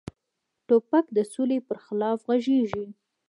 توپک د سولې پر خلاف غږیږي.